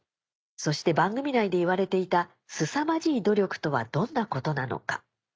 そして番組内で言われていたすさまじい努力とはどんなことなのか？